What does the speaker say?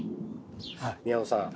宮野さん